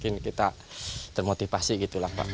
ini membuat saya termotivasi